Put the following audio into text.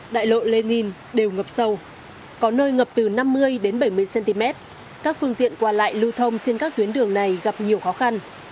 đại lộ lê ninh đều ngập sâu có nơi ngập từ năm mươi đến bảy mươi cm các phương tiện qua lại lưu thông trên các tuyến đường này gặp nhiều khó khăn